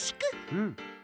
うん。